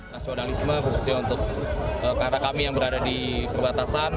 nasionalisme khususnya untuk karena kami yang berada di perbatasan